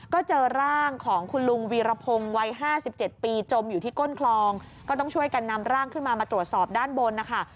ก็เจอร่างของคุณลุงวีรพงศ์วัย๕๗ปีจมอยู่ที่ก้นคลองก็ต้องช่วยกันนำร่างขึ้นมามาตรวจสอบด้านบนนะคะ